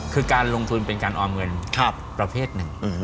คือการลงทุนเป็นการออมเงินประเภทหนึ่ง